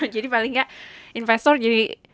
jadi paling gak investor jadi